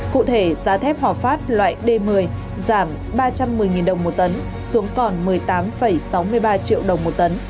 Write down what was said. cụ thể giá thép hòa phát loại d một mươi giảm ba trăm một mươi đồng một tấn xuống còn một mươi tám sáu mươi ba triệu đồng một tấn